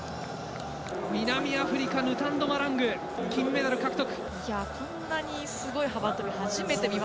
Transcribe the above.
南アフリカのヌタンド・マラング金メダル獲得。